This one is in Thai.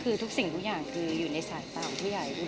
คือทุกสิ่งทุกอย่างคืออยู่ในสายตาของผู้ใหญ่ด้วย